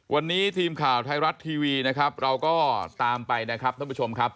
วันนี้ทีมข่าวไทยรัฐทีวีนะครับเราก็ตามไปนะครับท่านผู้ชมครับ